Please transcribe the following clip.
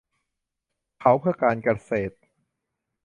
เผาเพื่อการเกษตร